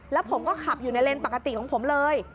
แล้วผมก็ขับอยู่ในเลนส์ปกติของผมเลย